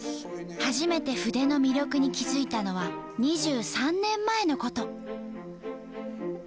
初めて筆の魅力に気付いたのは２３年前のこと。